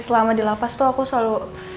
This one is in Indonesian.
selama di lapas tuh aku selalu